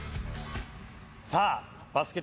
さあバスケ